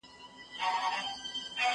زه سپينکۍ مينځلي دي؟